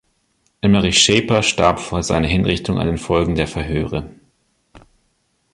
Emmerich Schaper starb vor seiner Hinrichtung an den Folgen der Verhöre.